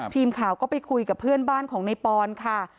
ทีมข่าวก็ไปคุยกับเพื่อนบ้านของในปอนค่ะ